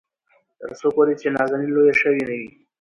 تر څو پورې چې نازنين لويه شوې نه وي.